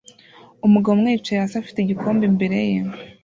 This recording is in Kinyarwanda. Umugabo umwe yicaye hasi afite igikombe imbere ye